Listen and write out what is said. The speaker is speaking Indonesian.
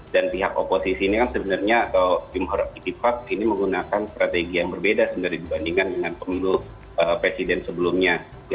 dan pihak oposisi ini kan sebenarnya atau timur itipak ini menggunakan strategi yang berbeda sebenarnya dibandingkan dengan pemilu presiden sebelumnya